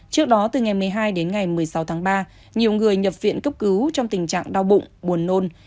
trước đó từ ngày một mươi hai đến ngày một mươi sáu tháng ba nhiều người nhập viện cấp cứu trong tình trạng đau bụng buồn nôn